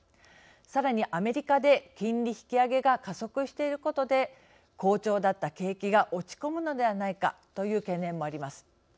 さらにアメリカで金利引き上げが加速していることで好調だった景気が落ち込むのではないかという懸念もあります。